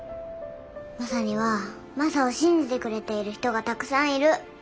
マサにはマサを信じてくれている人がたくさんいる。